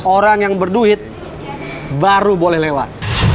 orang yang berduit baru boleh lewat